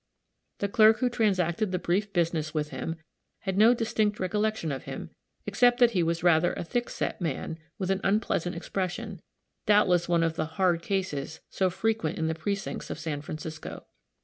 The clerk who transacted the brief business with him, had no distinct recollection of him, except that he was rather a thick set man, with an unpleasant expression doubtless one of the "hard cases" so frequent in the precincts of San Francisco.